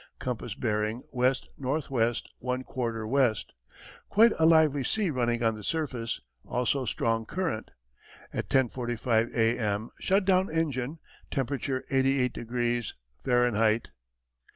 Compass bearing west north west, one quarter west. Quite a lively sea running on the surface, also strong current. At 10.45 A. M. shut down engine; temperature, eighty eight degrees Fahrenheit.